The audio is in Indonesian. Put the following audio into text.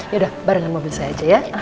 yaudah barengan mobil saya aja ya